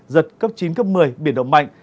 giật cấp chín cấp một mươi biển đông mạnh